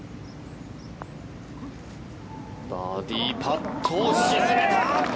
バーディーパット沈めた。